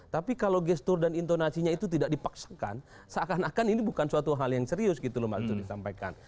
tapi kalau gestur dan intonasinya itu tidak dipaksakan seakan akan ini bukan suatu hal yang serius gitu loh mbak itu disampaikan